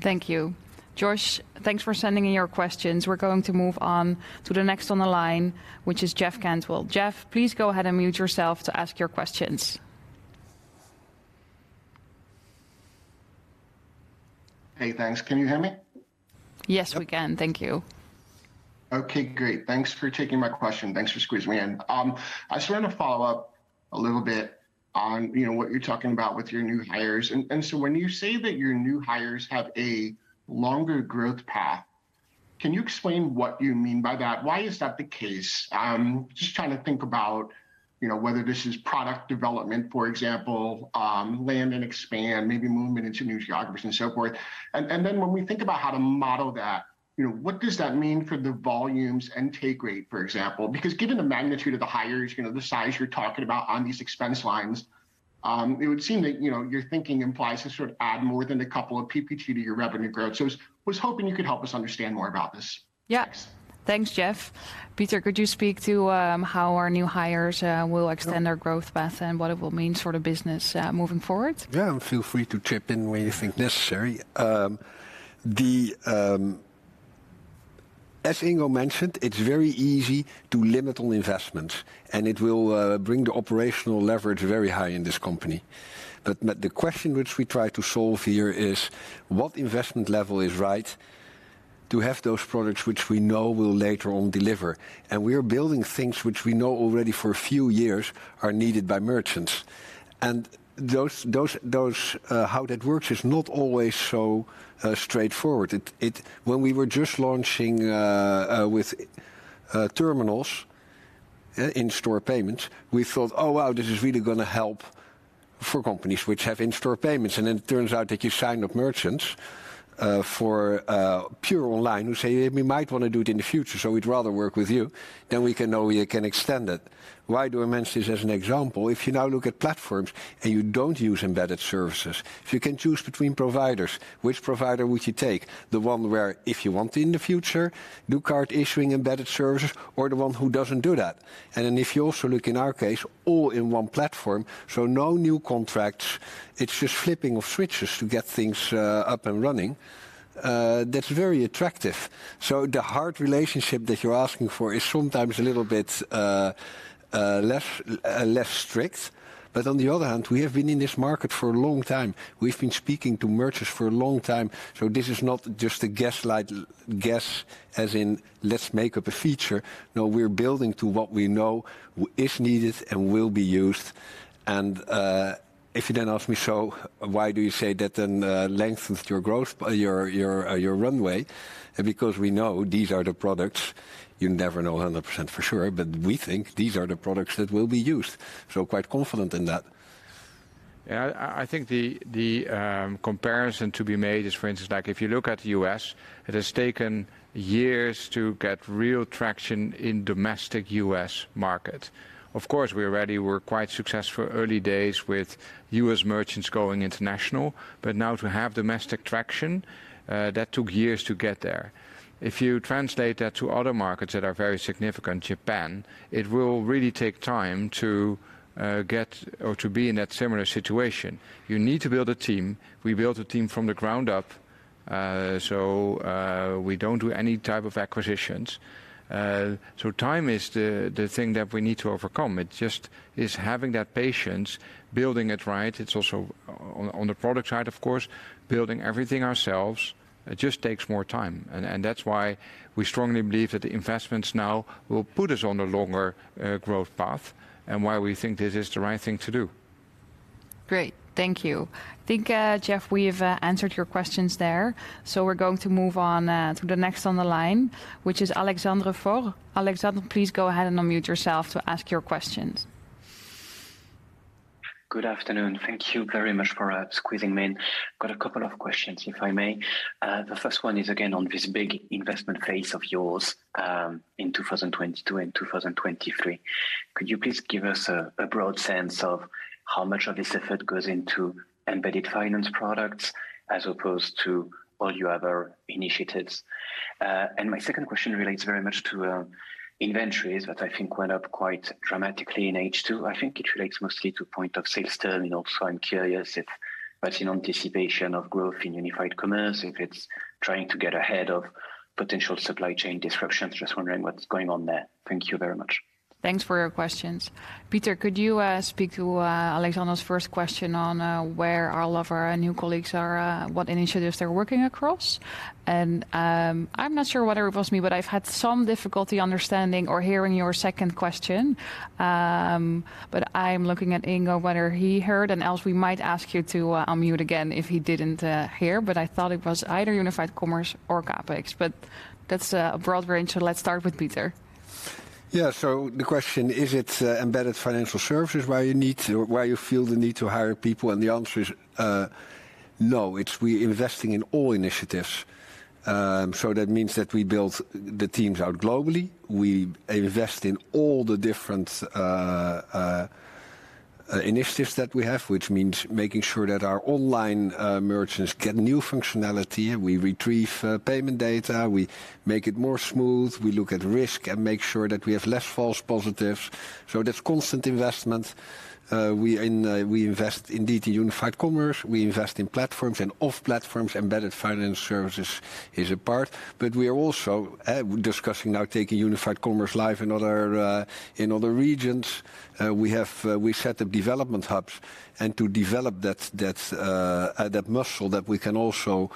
Thank you. Josh, thanks for sending in your questions. We're going to move on to the next on the line, which is Jeff Cantwell. Jeff, please go ahead and mute yourself to ask your questions. Hey, thanks. Can you hear me? Yes, we can. Thank you. Okay, great. Thanks for taking my question. Thanks for squeezing me in. I just wanted to follow up a little bit on, you know, what you're talking about with your new hires. When you say that your new hires have a longer growth path, can you explain what you mean by that? Why is that the case? Just trying to think about, you know, whether this is product development, for example, land and expand, maybe movement into new geographies and so forth. When we think about how to model that, you know, what does that mean for the volumes and take rate, for example? Given the magnitude of the hires, you know, the size you're talking about on these expense lines, it would seem that, you know, you're thinking implies this would add more than 2 PPT to your revenue growth. I was hoping you could help us understand more about this. Yeah. Thanks. Thanks, Jeff. Pieter, could you speak to how our new hires will extend their growth path and what it will mean for the business moving forward? Yeah, feel free to chip in where you think necessary. As Ingo mentioned, it's very easy to limit on investments, and it will bring the operational leverage very high in this company. The question which we try to solve here is, what investment level is right to have those products which we know will later on deliver? We are building things which we know already for a few years are needed by merchants. Those, how that works is not always so straightforward. When we were just launching with terminals, in-store payments, we thought, "Oh, wow, this is really gonna help for companies which have in-store payments." It turns out that you sign up merchants for pure online who say, "We might wanna do it in the future, so we'd rather work with you," then we can know we can extend it. Why do I mention this as an example? If you now look at platforms and you don't use embedded services, if you can choose between providers, which provider would you take? The one where if you want in the future, do card issuing embedded services or the one who doesn't do that. If you also look in our case, all in one platform, so no new contracts, it's just flipping of switches to get things up and running. That's very attractive. The hard relationship that you're asking for is sometimes a little bit less strict. On the other hand, we have been in this market for a long time. We've been speaking to merchants for a long time, this is not just a gaslight guess as in let's make up a feature. No, we're building to what we know is needed and will be used. If you then ask me, "Why do you say that then lengthens your growth, your runway?" We know these are the products. You never know 100% for sure, but we think these are the products that will be used, quite confident in that. Yeah, I think the comparison to be made is, for instance, like if you look at the U.S., it has taken years to get real traction in domestic U.S. market. Of course, we already were quite successful early days with U.S. merchants going international, but now to have domestic traction, that took years to get there. If you translate that to other markets that are very significant, Japan, it will really take time to get or to be in that similar situation. You need to build a team. We built a team from the ground up. We don't do any type of acquisitions. Time is the thing that we need to overcome. It just is having that patience, building it right. It's also on the product side, of course, building everything ourselves, it just takes more time. That's why we strongly believe that the investments now will put us on a longer growth path, and why we think this is the right thing to do. Great. Thank you. Think, Jeff, we have answered your questions there, so we're going to move on to the next on the line, which is Alexandre Faure. Alexandre, please go ahead and unmute yourself to ask your questions. Good afternoon. Thank you very much for squeezing me in. Got a couple of questions, if I may. The first one is again on this big investment phase of yours, in 2022 and 2023. Could you please give us a broad sense of how much of this effort goes into embedded financial products as opposed to all your other initiatives? My second question relates very much to inventories that I think went up quite dramatically in H2. I think it relates mostly to point of sale terminals, and also I'm curious if that's in anticipation of growth in Unified Commerce, if it's trying to get ahead of potential supply chain disruptions. Just wondering what's going on there. Thank you very much. Thanks for your questions. Pieter, could you speak to Alexandre's first question on where all of our new colleagues are, what initiatives they're working across? I'm not sure whether it was me, but I've had some difficulty understanding or hearing your second question. I'm looking at Ingo whether he heard, and else we might ask you to unmute again if he didn't hear. I thought it was either Unified Commerce or CapEx. That's a broad range, so let's start with Pieter. The question, is it embedded financial services where you feel the need to hire people? The answer is no. It's we're investing in all initiatives. That means that we build the teams out globally. We invest in all the different initiatives that we have, which means making sure that our online merchants get new functionality. We retrieve payment data. We make it more smooth. We look at risk and make sure that we have less false positives. There's constant investment. We invest indeed in Unified Commerce. We invest in platforms and off platforms. Embedded financial services is a part. We are also discussing now taking Unified Commerce live in other regions. We have, we set up development hubs and to develop that muscle that we can also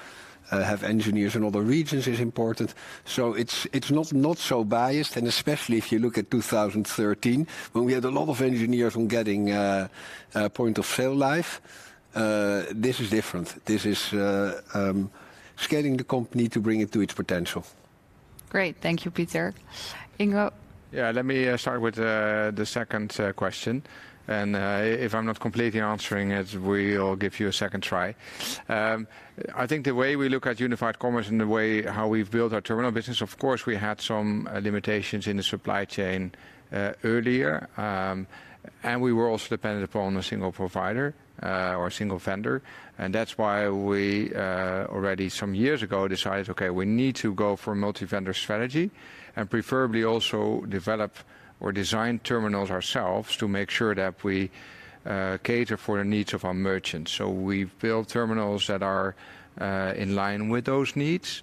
have engineers in other regions is important. It's not so biased, and especially if you look at 2013 when we had a lot of engineers on getting point of sale live, this is different. This is scaling the company to bring it to its potential. Great. Thank you, Pieter. Ingo? Yeah. Let me start with the second question, if I'm not completely answering it, we'll give you a second try. I think the way we look at Unified Commerce and the way how we've built our terminal business, of course, we had some limitations in the supply chain earlier. We were also dependent upon a single provider or a single vendor. That's why we already some years ago decided, okay, we need to go for a multi-vendor strategy and preferably also develop or design terminals ourselves to make sure that we cater for the needs of our merchants. We've built terminals that are in line with those needs.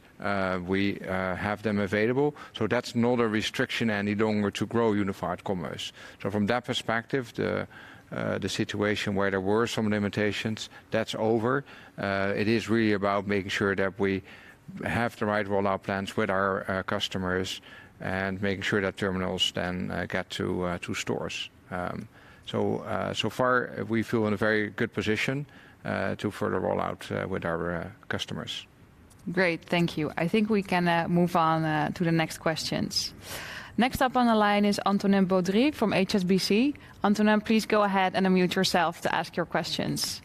We have them available, that's not a restriction any longer to grow Unified Commerce. From that perspective, the situation where there were some limitations, that's over. It is really about making sure that we have the right rollout plans with our customers and making sure that terminals then get to stores. So far we feel in a very good position to further roll out with our customers. Great. Thank you. I think we can move on to the next questions. Next up on the line is Antonin Baudry from HSBC. Antonin, please go ahead and unmute yourself to ask your questions.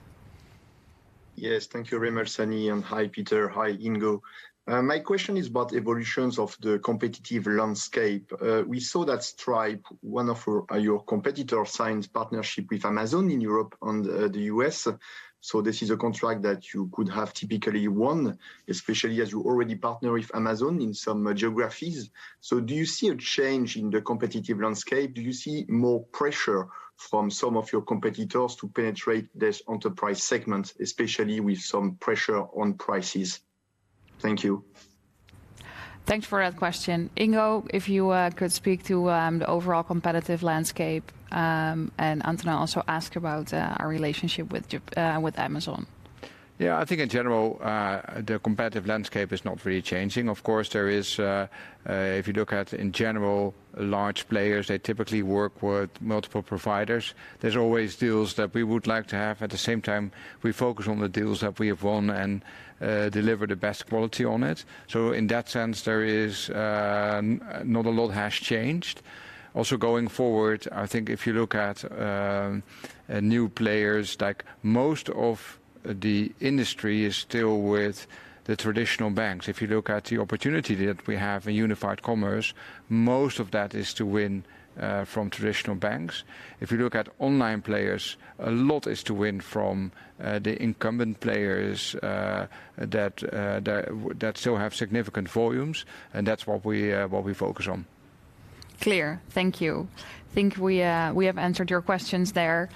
Yes, thank you very much, Sanne. Hi, Pieter. Hi, Ingo. My question is about evolutions of the competitive landscape. We saw that Stripe, one of your competitor, signed partnership with Amazon in Europe and the U.S. This is a contract that you could have typically won, especially as you already partner with Amazon in some geographies. Do you see a change in the competitive landscape? Do you see more pressure from some of your competitors to penetrate this enterprise segment, especially with some pressure on prices? Thank you. Thanks for that question. Ingo, if you could speak to the overall competitive landscape, Antonin also asked about our relationship with Amazon. I think in general, the competitive landscape is not really changing. Of course, there is, if you look at in general large players, they typically work with multiple providers. There's always deals that we would like to have. At the same time, we focus on the deals that we have won and deliver the best quality on it. In that sense, there is not a lot has changed. Going forward, I think if you look at new players, like most of the industry is still with the traditional banks. If you look at the opportunity that we have in Unified Commerce, most of that is to win from traditional banks. If you look at online players, a lot is to win from, the incumbent players, that still have significant volumes, that's what we, what we focus on. Clear. Thank you. Think we have answered your questions there.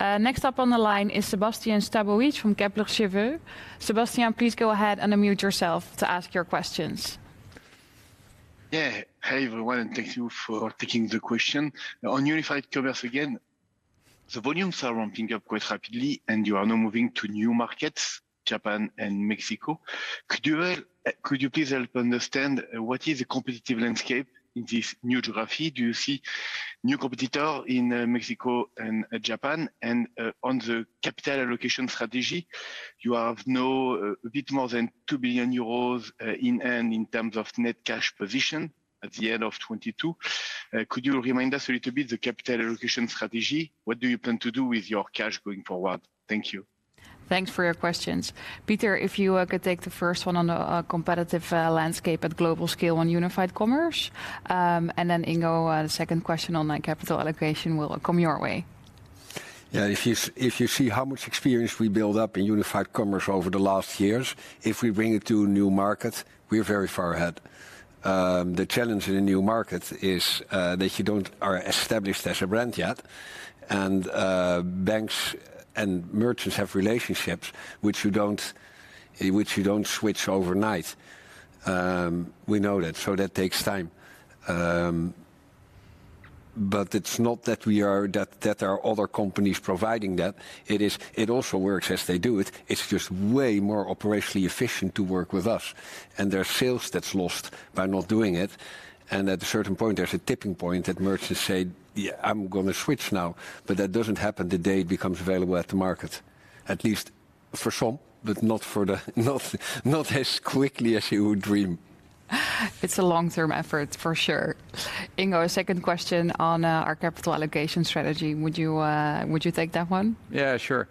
Next up on the line is Sébastien Sztabowicz from Kepler Cheuvreux. Sébastien, please go ahead and unmute yourself to ask your questions. Yeah. Hey, everyone, and thank you for taking the question. On Unified Commerce again, the volumes are ramping up quite rapidly, and you are now moving to new markets, Japan and Mexico. Could you please help understand what is the competitive landscape in this new geography? Do you see new competitor in Mexico and Japan? On the capital allocation strategy, you have now a bit more than 2 billion euros in terms of net cash position at the end of 2022. Could you remind us a little bit the capital allocation strategy? What do you plan to do with your cash going forward? Thank you. Thanks for your questions. Pieter, if you could take the first one on the competitive landscape at global scale on Unified Commerce. Ingo, the second question on the capital allocation will come your way. Yeah. If you see how much experience we build up in Unified Commerce over the last years, if we bring it to new markets, we're very far ahead. The challenge in a new market is that you don't are established as a brand yet. banks and merchants have relationships which you don't switch overnight. We know that, so that takes time. but it's not that we are, that there are other companies providing that. It is, it also works as they do it. It's just way more operationally efficient to work with us, and there are sales that's lost by not doing it. At a certain point, there's a tipping point that merchants say, "Yeah, I'm gonna switch now," that doesn't happen the day it becomes available at the market, at least for some, but not as quickly as you would dream. It's a long-term effort, for sure. Ingo, a second question on our capital allocation strategy. Would you take that one? Sure.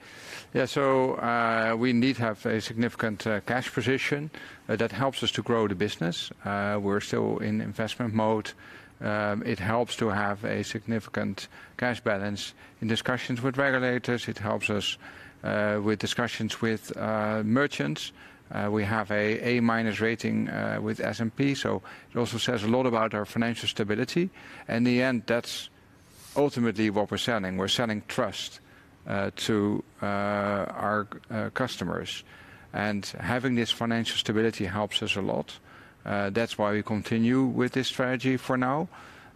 We indeed have a significant cash position that helps us to grow the business. We're still in investment mode. It helps to have a significant cash balance in discussions with regulators. It helps us with discussions with merchants. We have a A- rating with S&P, so it also says a lot about our financial stability. In the end, that's ultimately what we're selling. We're selling trust to our customers. Having this financial stability helps us a lot. That's why we continue with this strategy for now,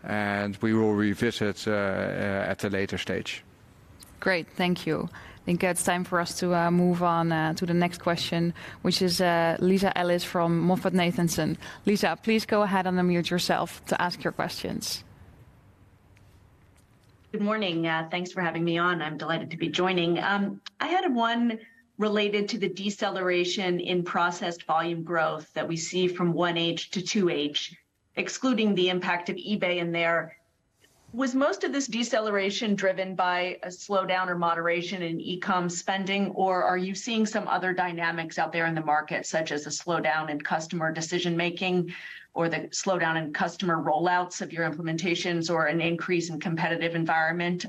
and we will revisit at a later stage. Great. Thank you. I think it's time for us to move on to the next question, which is Lisa Ellis from MoffettNathanson. Lisa, please go ahead and unmute yourself to ask your questions. Good morning. thanks for having me on. I'm delighted to be joining. I had one related to the deceleration in processed volume growth that we see from 1H to 2H, excluding the impact of eBay in there. Was most of this deceleration driven by a slowdown or moderation in e-com spending, or are you seeing some other dynamics out there in the market, such as a slowdown in customer decision-making or the slowdown in customer rollouts of your implementations or an increase in competitive environment?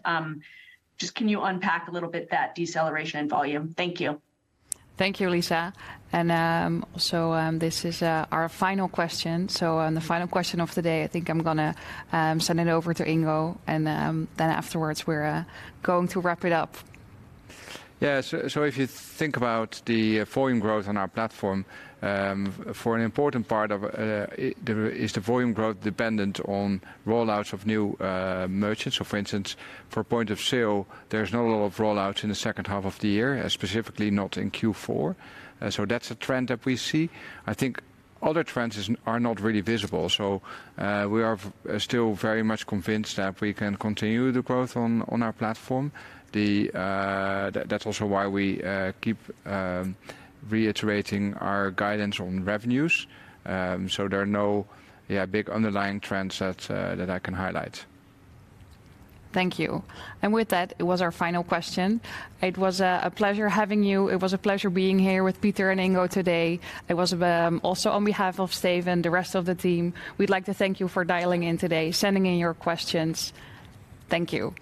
just can you unpack a little bit that deceleration in volume? Thank you. Thank you, Lisa. This is our final question. On the final question of the day, I think I'm gonna send it over to Ingo, and then afterwards we're going to wrap it up. Yeah. If you think about the volume growth on our platform, for an important part of, is the volume growth dependent on rollouts of new merchants. For instance, for point of sale, there's not a lot of rollouts in the second half of the year, specifically not in Q4. That's a trend that we see. I think other trends are not really visible, so we are still very much convinced that we can continue the growth on our platform. That's also why we keep reiterating our guidance on revenues. There are no, yeah, big underlying trends that I can highlight. Thank you. With that, it was our final question. It was a pleasure having you. It was a pleasure being here with Pieter and Ingo today. Also on behalf of Steven, the rest of the team, we'd like to thank you for dialing in today, sending in your questions. Thank you.